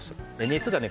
熱がね